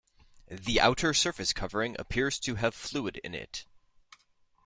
The outer surface covering appears to have fluid in it.